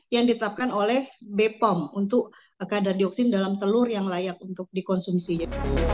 yang ditetapkan oleh bepom untuk kadar dioksin dalam telur yang layak untuk dikonsumsinya